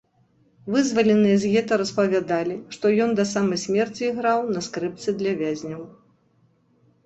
Вызваленыя з гета распавядалі, што ён да самай смерці іграў на скрыпцы для вязняў.